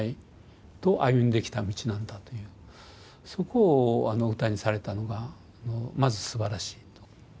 そこを歌にされたのがまず素晴らしいと。